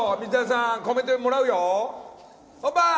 本番！